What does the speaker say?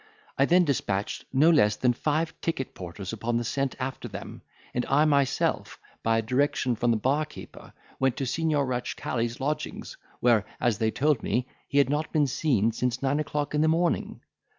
I then despatched no less than five ticket porters upon the scent after them, and I myself, by a direction from the bar keeper, went to Signior Ratchcali's lodgings, where, as they told me, he had not been seen since nine o'clock in the morning.